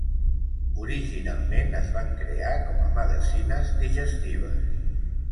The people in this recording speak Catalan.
Originalment es van crear com a medecines digestives.